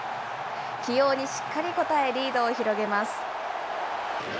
起用にしっかり応え、リードを広げます。